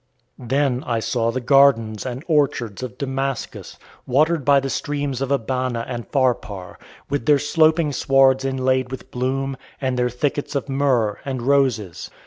Then I saw the gardens and orchards of Damascus, watered by the streams of Abana and Pharpar, with their sloping swards inlaid with bloom, and their thickets of myrrh and roses.